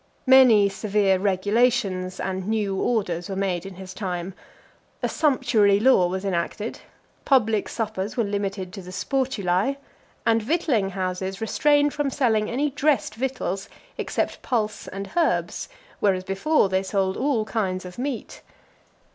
Many severe regulations and new orders were made in his time. A sumptuary law was enacted. Public suppers were limited to the Sportulae ; and victualling houses restrained from selling any dressed victuals, except pulse and herbs, whereas before they sold all kinds of meat.